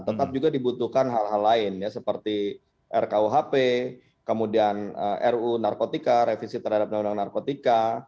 tetap juga dibutuhkan hal hal lain ya seperti rkuhp kemudian ruu narkotika revisi terhadap undang undang narkotika